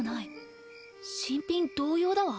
新品同様だわ。